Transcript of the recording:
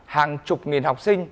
hàng chục nghìn học sinh